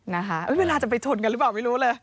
นะคะเวลาจะไปชนกันหรือเปล่าไม่รู้เลย